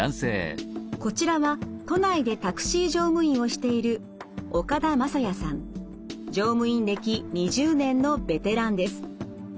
こちらは都内でタクシー乗務員をしている乗務員歴２０年のベテランです。